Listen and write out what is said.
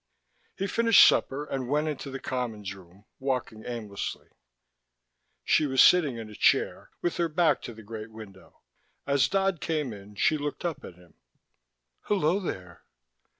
He finished supper and went into the Commons Room, walking aimlessly. She was sitting in a chair, with her back to the great window. As Dodd came in she looked up at him. "Hello, there."